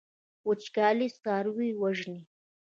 وچکالي څاروي وژني.